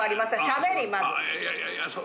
しゃべりまず。